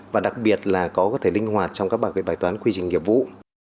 và đặc biệt là có thể linh hoạt trong các bài toán quy trình nghiệp vụ